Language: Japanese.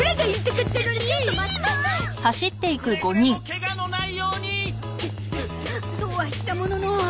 くれぐれもケガのないように。とは言ったものの。